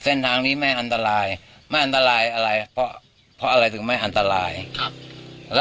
เส้นทางนี้ไม่อันตรายไม่อันตรายอะไรเพราะเพราะอะไรถึงไม่อันตรายครับแล้ว